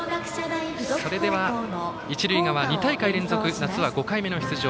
それでは一塁側、２大会連続夏は５回目の出場